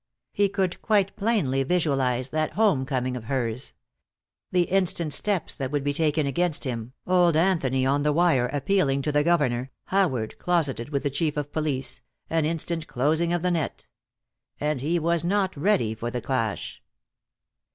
He could quite plainly visualize that home coming of hers. The instant steps that would be taken against him, old Anthony on the wire appealing to the governor, Howard closeted with the Chief of Police, an instant closing of the net. And he was not ready for the clash.